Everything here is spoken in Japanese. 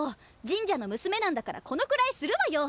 神社の娘なんだからこのくらいするわよ！